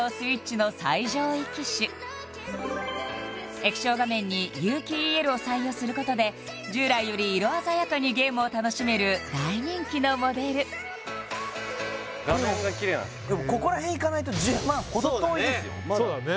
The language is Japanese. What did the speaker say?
液晶画面に有機ＥＬを採用することで従来より色鮮やかにゲームを楽しめる大人気のモデルでもここらへんいかないとそうだね